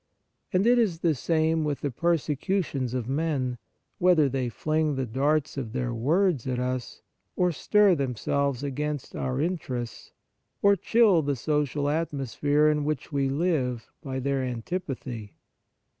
And it is the same with the persecutions of men, whether they fling the darts of their words at us, or stir themselves against our in terests, or chill the social atmosphere in which we live by their antipathy.